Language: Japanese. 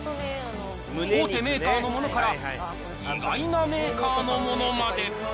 大手メーカーのものから、意外なメーカーのものまで。